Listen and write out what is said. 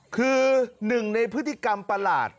คือหนึ่งในพฤติกรรมประหลาด